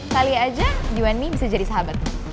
kali aja you and me bisa jadi sahabat